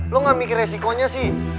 lo gak mikir resikonya sih